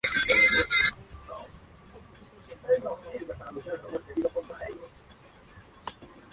La historia apunta al final de la telenovela original y sus terribles consecuencias.